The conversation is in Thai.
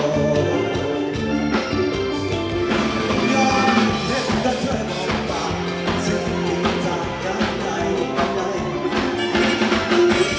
ยังเห็นกันเธอมันต่างชิ้นมีจากย้ำใจกลับไป